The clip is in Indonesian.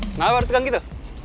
kenapa lo tegang gitu